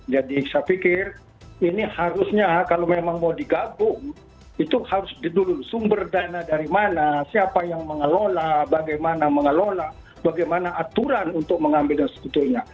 jadi saya pikir ini harusnya kalau memang mau digabung itu harus dulu sumber dana dari mana siapa yang mengelola bagaimana mengelola bagaimana aturan untuk mengambil dan sebetulnya